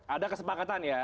ada kesepakatan ya